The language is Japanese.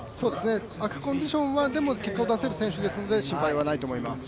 悪コンディションは結果出せる選手ですので心配はないと思います。